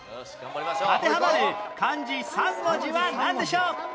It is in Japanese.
当てはまる漢字３文字はなんでしょう？